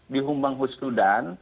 di humbang husudan